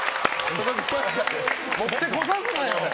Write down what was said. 持ってこさすなよ！